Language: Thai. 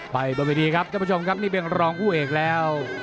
ไปบริเวณีครับนี่เป็นรองผู้เอกแล้ว